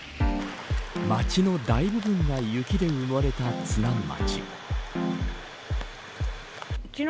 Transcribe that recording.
町の大部分が雪で埋もれた津南町。